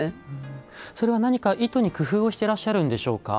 それは何か糸に工夫をしていらっしゃるんでしょうか？